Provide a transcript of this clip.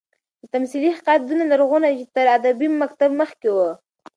تمثيلي حکایت دونه لرغونى دئ، چي تر ادبي مکتب مخکي وو.